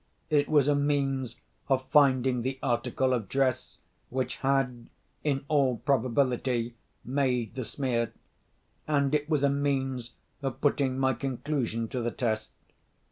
It was a means of finding the article of dress which had, in all probability, made the smear; and it was a means of putting my conclusion to the test.